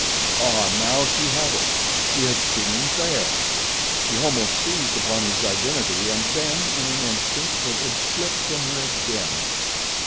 Ah, now she had it! She had seen him there! She almost seized upon his identity and then in an instant, it had slipped from her again.